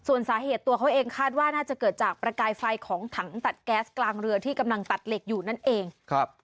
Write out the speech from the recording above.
ส่วนสาเหตุตัวเขาเองคาดว่าน่าจะเกิดจากประกายไฟของถังตัดแก๊สกลางเรือที่กำลังตัดเหล็กอยู่นั่นเองครับ